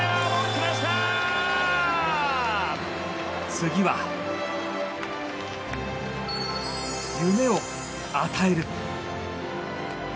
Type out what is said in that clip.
次は夢を与える。